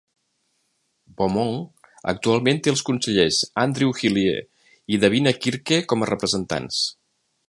Beaumont actualment té els consellers Andrew Hillier i Davina Quirke com a representants.